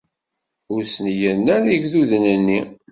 Ur snegren ara igduden-nni.